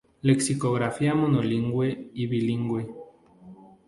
Lexicografía monolingüe y bilingüe.